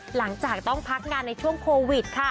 หลังจากต้องพักงานในช่วงโควิดค่ะ